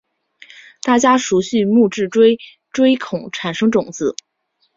大家熟悉木质锥锥孔产生种子。